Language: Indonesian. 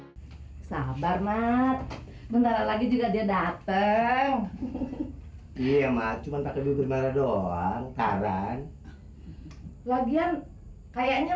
hai sabar mati bentar lagi juga dia dateng iya mah cuma takut gimana doang karan lagian kayaknya